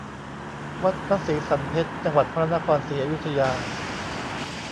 วัดพระศรีสรรเพชญ์ จังหวัดพระนครศรีอยุธยา